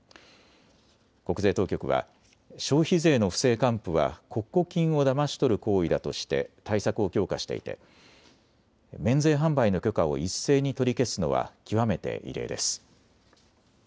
国税当局は消費税の不正還付は国庫金をだまし取る行為だとして対策を強化していて免税販売の許可を一斉に取り消すのは極めて異例です。